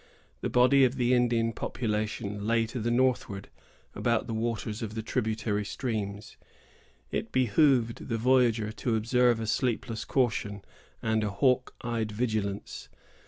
The body of the Indian population lay to the northward, about the waters of the tributary streams. It behooved the voyager to observe a sleepless caution and a hawk eyed vigilance.